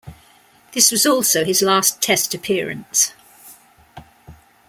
This was also his last test appearance.